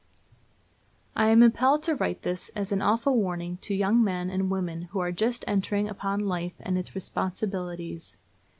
I am impelled to write this as an awful warning to young men and women who are just entering upon life and its responsibilities.